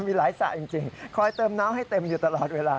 มีหลายสระจริงคอยเติมน้ำให้เต็มอยู่ตลอดเวลา